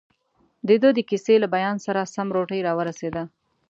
دده د کیسې له بیان سره سم، روټۍ راورسېده.